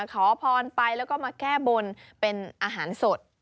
ขอพรไปแล้วก็มาแก้บนเป็นอาหารสด